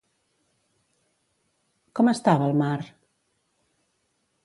Com estava el mar?